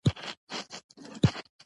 زه د روغتیا د ساتنې لپاره نه هڅه کوم.